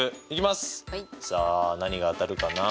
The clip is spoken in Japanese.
さあ何が当たるかな。